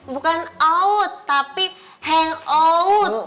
bukan out tapi hangout